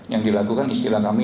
yang dilakukan istilah kami